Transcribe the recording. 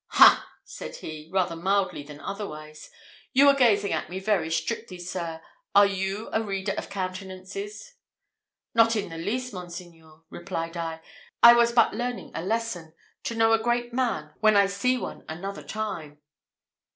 "Ha!" said he, rather mildly than otherwise, "you were gazing at me very strictly, sir. Are you a reader of countenances?" "Not in the least, monseigneur," replied I; "I was but learning a lesson: to know a great man when I see one another time."